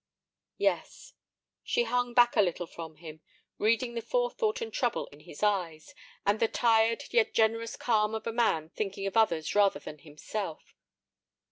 "Yes." She hung back a little from him, reading the forethought and trouble in his eyes, and the tired yet generous calm of a man thinking of others rather than himself.